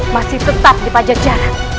masih tetap di pajak jahat